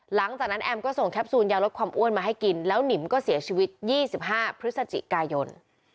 แอมก็ส่งแคปซูลยาลดความอ้วนมาให้กินแล้วหนิมก็เสียชีวิต๒๕พฤศจิกายน